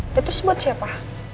ya terus buat siapa